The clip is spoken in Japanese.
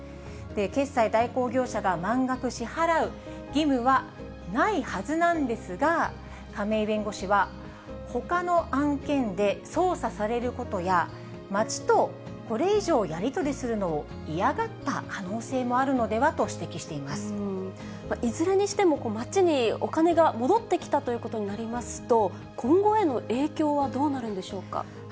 決済代行業者が満額支払う義務はないはずなんですが、亀井弁護士は、ほかの案件で捜査されることや、町とこれ以上やり取りするのを嫌がった可能性もあるのではと指摘いずれにしても町にお金が戻ってきたということになりますと、今後への影響はどうなるんでしょうか。